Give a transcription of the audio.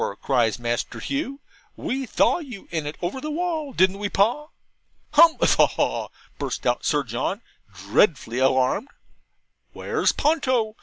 cries Master Hugh. 'WE thaw you in it, over the wall, didn't we, Pa?' 'Hum a ha a haw!' burst out Sir John, dreadfully alarmed. 'Where's Ponto?